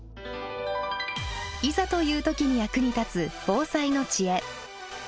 いざという時に役に立つ防災の知恵。